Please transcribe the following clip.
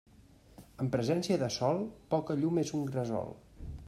En presència de sol, poca llum és un gresol.